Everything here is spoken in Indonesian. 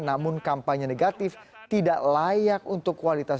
namun kampanye negatif tidak layak untuk kualitas